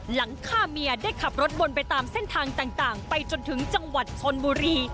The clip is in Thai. หลังฆ่าเมียได้ขับรถวนไปตามเส้นทางต่างไปจนถึงจังหวัดชนบุรี